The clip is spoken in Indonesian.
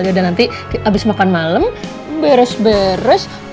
yaudah nanti habis makan malam beres beres